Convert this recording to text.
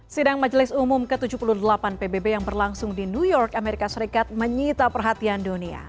sidang majelis umum ke tujuh puluh delapan pbb yang berlangsung di new york amerika serikat menyita perhatian dunia